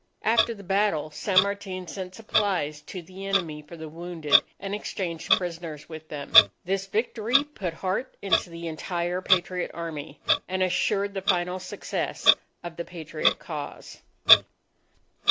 After the battle, San Martin sent supplies to the enemy for the wounded, and exchanged prisoners with them. This victory put heart into the entire Patriot Army, and assured the final success of the Patriot cause.